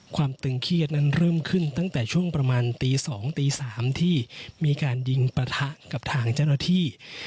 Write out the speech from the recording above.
ตึงเครียดนั้นเริ่มขึ้นตั้งแต่ช่วงประมาณตี๒ตี๓ที่มีการยิงปะทะกับทางเจ้าหน้าที่